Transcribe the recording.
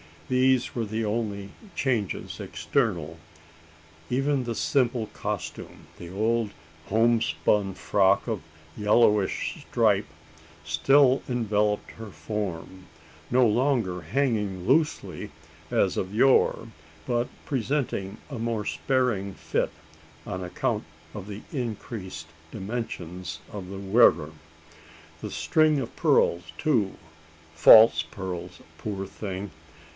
These were the only changes external. Even the simple costume the old homespun frock of yellowish stripe still enveloped her form; no longer hanging loosely as of yore, but presenting a more sparing fit on account of the increased dimensions of the wearer. The string of pearls, too false pearls, poor thing!